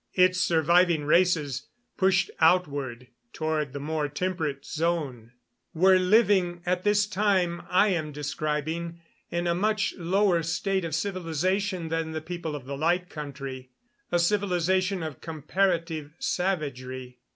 Its surviving races, pushed outward toward the more temperate zone, were living, at this time I am describing, in a much lower state of civilization than the people of the Light Country a civilization of comparative savagery.